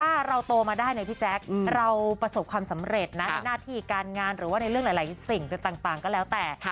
ถ้าเราโตมาได้เนี่ยพี่แจ๊คเราประสบความสำเร็จนะในหน้าที่การงานหรือว่าในเรื่องหลายสิ่งต่างก็แล้วแต่